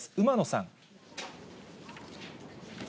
馬野さん。